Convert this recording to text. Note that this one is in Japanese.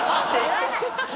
言わないで。